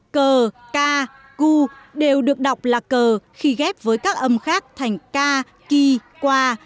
cờ ca cu đều được đọc là cờ khi ghép với các âm khác thành ca kỳ qua